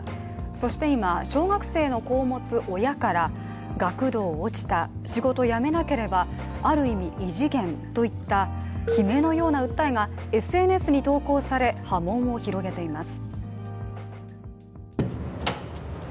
そして今、小学生の子を持つ親から、学童落ちた、仕事辞めなければ、ある意味異次元といった悲鳴のような訴えがＳＮＳに投稿され波紋を広げています。